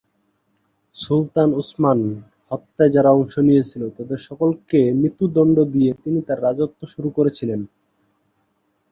সুলতান Osman হত্যায় যারা অংশ নিয়েছিল তাদের সকলকে মৃত্যুদণ্ড দিয়ে তিনি তাঁর রাজত্ব শুরু করেছিলেন।